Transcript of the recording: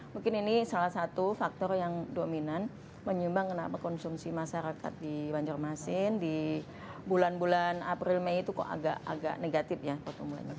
mungkin ini salah satu faktor yang dominan menyumbang kenapa konsumsi masyarakat di banjarmasin di bulan bulan april mei itu kok agak negatif ya pertumbuhannya